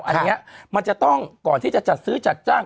อันนี้มันจะต้องก่อนที่จะจัดซื้อจัดจ้าง